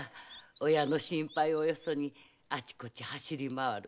親の心配をよそにあちこち走り回る。